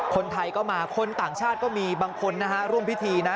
คนไทยก็มาคนต่างชาติก็มีบางคนนะฮะร่วมพิธีนะ